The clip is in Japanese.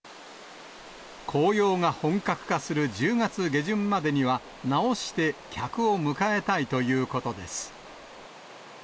紅葉が本格化する１０月下旬までには、直して客を迎えたいということです。